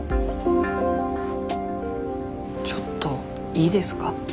ちょっといいですか？